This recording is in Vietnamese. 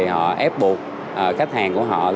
họ ép buộc khách hàng của họ